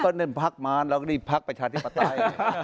ก็เล่นพักมารแล้วก็นี่พักประชาธิปไตย